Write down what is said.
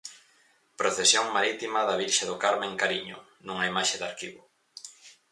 Procesión marítima da Virxe do Carme en Cariño, nunha imaxe de arquivo.